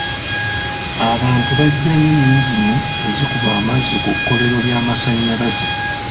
Abantu bagyayo yingini ezikuba amazzi ku kkolero ly'amasanyalaze.